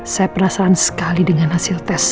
saya penasaran sekali dengan hasil tes